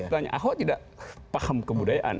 tanya ahok tidak paham kebudayaan